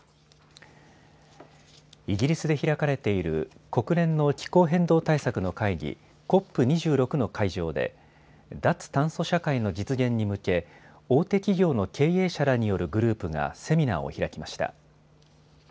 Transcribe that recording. イギリスで開かれている国連の気候変動対策の会議、ＣＯＰ２６の会場で脱炭素社会の実現に向け大手企業の経営者らによるグループがセミナーを開きました。